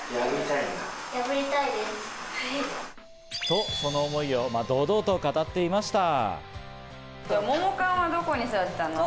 と、その思いを堂々と語っていました。